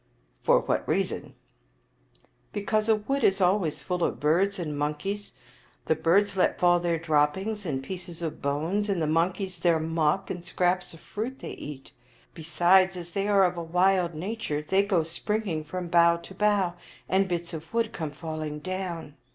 " For what reason ?"" Because a wood is always full of birds and monkeys. The birds let fall their droppings and pieces of bones, and the monkeys their muck and scraps of the fruit they eat. Besides, as they are of a wild nature, they go springing from bough to bough, and bits of wood come falling down.